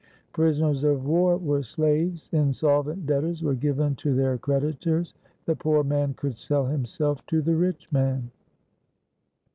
Prisoners of war were slaves; in solvent debtors were given to their creditors; the poor man could sell himself to the rich man.